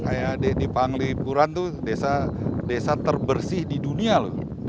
kayak di panglipuran itu desa terbersih di dunia loh